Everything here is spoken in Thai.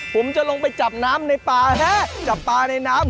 ผมจะลงไปจับน้ำในปลาฮะจับปลาในน้ำ